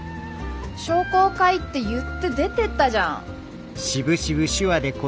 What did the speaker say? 商工会って言って出てったじゃん。